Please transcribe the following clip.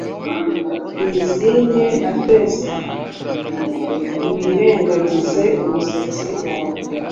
lisine na feza; wirengagize umusatsi wawe,